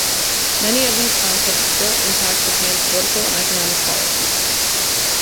Many of these concepts still impact Japan's political and economic policies.